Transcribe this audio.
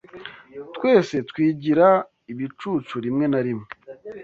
Twese twigira ibicucu rimwe na rimwe.